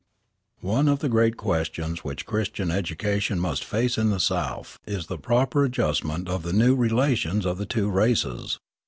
One of the great questions which Christian education must face in the South is the proper adjustment of the new relations of the two races.